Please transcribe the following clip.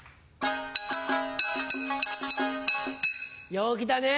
陽気だね！